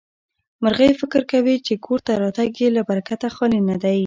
مرغۍ فکر کوي چې کور ته راتګ يې له برکته خالي نه دی.